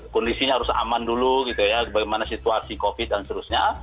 kondisinya harus aman dulu gitu ya bagaimana situasi covid dan seterusnya